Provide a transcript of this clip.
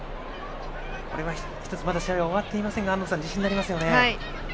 これは１つまだ試合は終わっていませんが安藤さん、自信になりますよね。